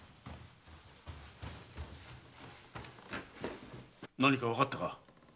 何かわかったか？